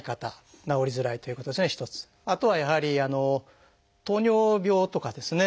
あとはやはり糖尿病とかですね